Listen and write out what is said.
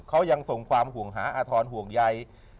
เขายังส่งความห่วงหาอาธรณ์ห่วงใย